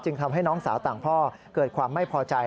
ทำให้น้องสาวต่างพ่อเกิดความไม่พอใจ